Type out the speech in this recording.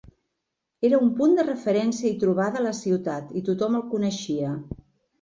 Era un punt de referència i trobada a la ciutat i tothom el coneixia.